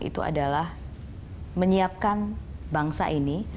itu adalah menyiapkan bangsa ini